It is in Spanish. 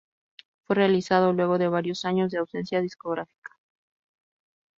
Fue realizado luego de varios años de ausencia discográfica.